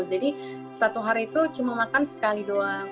jadi satu hari itu cuma makan sekali doang